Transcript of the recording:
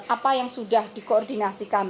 apa yang sudah dikoordinasikan